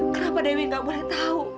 kenapa dewi gak boleh tahu